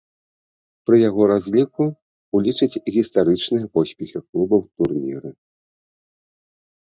Пры яго разліку улічаць гістарычныя поспехі клуба ў турніры.